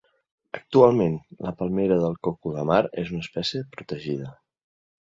Actualment la palmera del coco de mar és una espècie protegida.